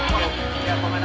jangan terlalu cepat kali ya